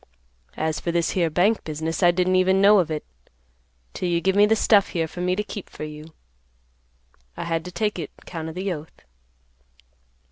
As for this here bank business, I didn't even know of it, 'till you give me this stuff here for me to keep for you. I had to take it 'count of the oath.